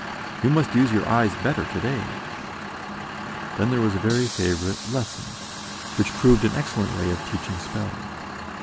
You must use your eyes better to day." Then there was a very favourite "lesson," which proved an excellent way of teaching spelling.